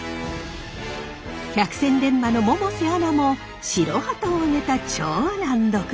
百戦錬磨の百瀬アナも白旗を上げた超・難読馬。